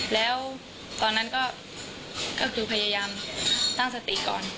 แล้วตอนนั้นก็คือพยายามตั้งสติก่อน